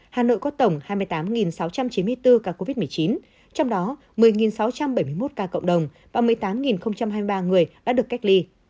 hà nội có tổng hai mươi tám sáu trăm chín mươi bốn ca covid một mươi chín trong đó một mươi sáu trăm bảy mươi một ca cộng đồng và một mươi tám hai mươi ba người đã được cách ly